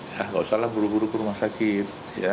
ya nggak usah lah buru buru ke rumah sakit